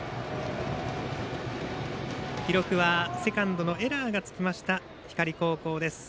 記録はセカンドのエラーがつきました光高校です。